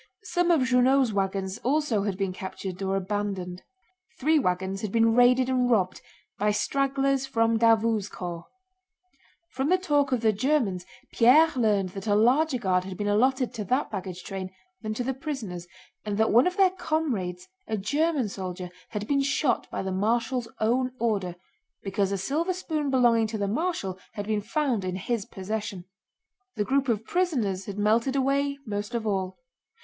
Some of Junot's wagons also had been captured or abandoned. Three wagons had been raided and robbed by stragglers from Davout's corps. From the talk of the Germans Pierre learned that a larger guard had been allotted to that baggage train than to the prisoners, and that one of their comrades, a German soldier, had been shot by the marshal's own order because a silver spoon belonging to the marshal had been found in his possession. The group of prisoners had melted away most of all.